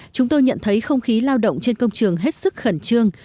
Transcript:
chúng tôi nhận thấy không khí lao động trên công trường hết sức khẩn trương